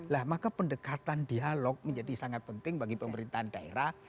nah maka pendekatan dialog menjadi sangat penting bagi pemerintahan daerah